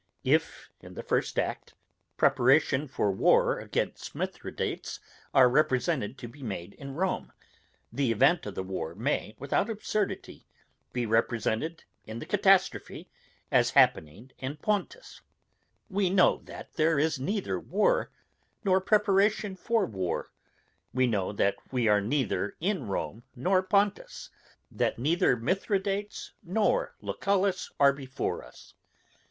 If, in the first act, preparations for war against Mithridates are represented to be made in Rome, the event of the war may, without absurdity, be represented, in the catastrophe, as happening in Pontus; we know that there is neither war, nor preparation for war; we know that we are neither in Rome nor Pontus; that neither Mithridates nor Lucullus are before us.